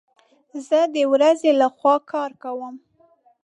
زه د ورځي لخوا کار کوم